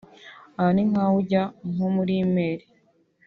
Aha ni nk’aho ujya nko muri email